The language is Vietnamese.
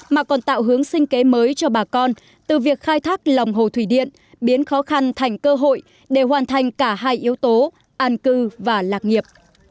mà còn tạo hướng sinh kế mới cho bà con từ việc khai thác lòng hồ thủy điện biến khó khăn thành cơ hội để hoàn thành cả hai yếu tố an cư và lạc nghiệp